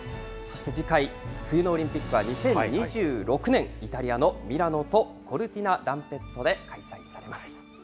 そして次回、冬のオリンピックは２０２６年イタリアのミラノとコルティナダンペッツォで開催されます。